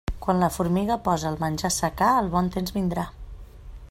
Quan la formiga posa el menjar a assecar, el bon temps vindrà.